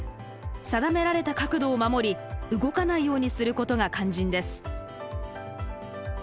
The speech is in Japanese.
定められた角度を守り動かないようにすることが肝心です。